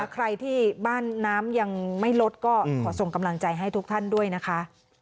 ใครที่บ้านน้ำยังไม่ลดก็ขอส่งกำลังใจให้ทุกท่านด้วยนะคะ